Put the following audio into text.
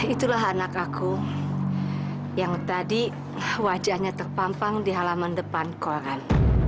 itulah anak aku yang tadi wajahnya terpampang di halaman depan koran